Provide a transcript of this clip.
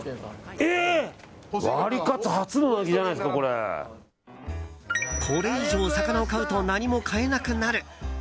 ワリカツ初のこれ以上魚を買うと何も買えなくなる。